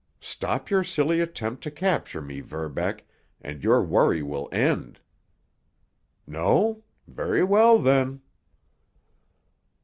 Stop your silly attempt to capture me, Verbeck, and your worry will end. No? Very well, then!"